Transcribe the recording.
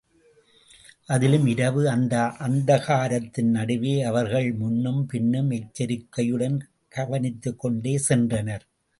அதிலும் இரவு, அந்த அந்தகாரத்தின் நடுவே அவர்கள் முன்னும் பின்னும் எச்சரிக்கையுடன் கவனித்துக்கொண்டே சென்றனர்.